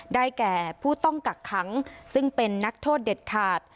แก่ผู้ต้องกักขังซึ่งเป็นนักโทษเด็ดขาด